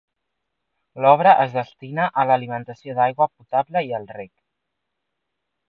L'obra es destina a l'alimentació d'aigua potable i el rec.